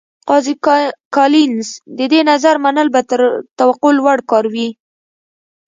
قاضي کالینز د دې نظر منل به تر توقع لوړ کار وي.